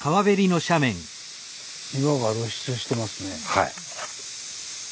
はい。